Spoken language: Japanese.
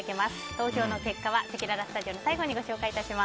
投票の結果はせきららスタジオの最後に紹介します。